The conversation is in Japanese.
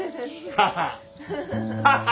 ハハハハ！